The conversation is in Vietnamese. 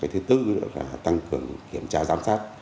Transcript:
thứ tư là tăng cường kiểm tra giám sát